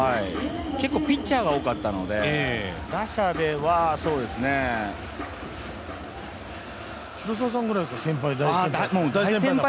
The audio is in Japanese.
ピッチャーが多かったので打者では広澤さんぐらいが大先輩？